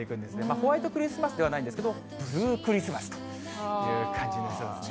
ホワイトクリスマスではないんですけど、ブルークリスマスという感じですかね。